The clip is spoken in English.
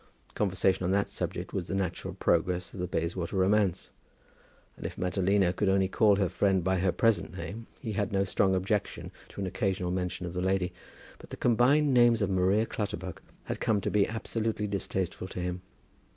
Conversation on that subject was the natural progress of the Bayswater romance. And if Madalina would only call her friend by her present name, he had no strong objection to an occasional mention of the lady; but the combined names of Maria Clutterbuck had come to be absolutely distasteful to him.